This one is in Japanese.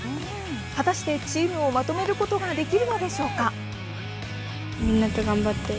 果たしてチームをまとめることができるのでしょうか！？